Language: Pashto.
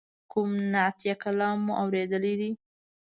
کوم نعتیه کلام مو اوریدلی.